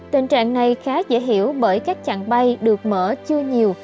tình trạng này khá dễ hiểu bởi các chặng bay được mở chưa nhiều